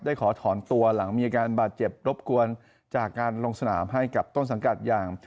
ขอถอนตัวหลังมีอาการบาดเจ็บรบกวนจากการลงสนามให้กับต้นสังกัดอย่าง